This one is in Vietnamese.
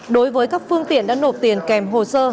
đối với các phương tiện đã nộp tiền kèm hồ sơ